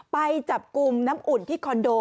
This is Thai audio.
ไปจับกลุ่มน้ำอุ่นที่คอนโด